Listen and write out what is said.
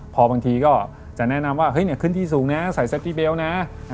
พอบางทีก็จะแนะนำว่าขึ้นที่สูงนะใส่เซฟตี้เบลต์นะ